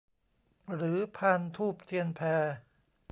หรือพานธูปเทียนแพ